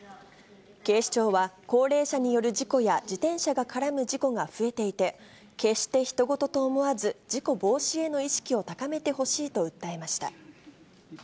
警視庁は、高齢者による事故や自転車が絡む事故が増えていて、決してひと事と思わず、事故防止への意識を高めてほしいと訴えま